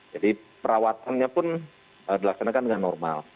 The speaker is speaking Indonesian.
jadi perawatannya pun dilaksanakan dengan normal